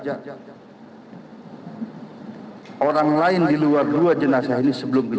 yang tidak diketahui